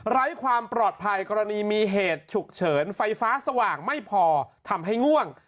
ไร้ความปลอดภัยกรณีมีเหตุฉุกเฉินไฟฟ้าสว่างไม่พอทำให้ง่วง